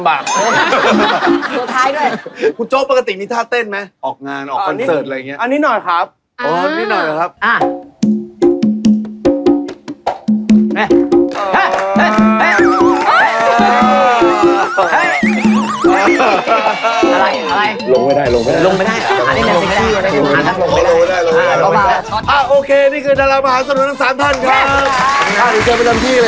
ขอบคุณค่ะหนูเจอประจำที่เลยครับ